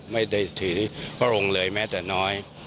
ไม่ได้ถือพระองค์เลยแม้แต่น้อย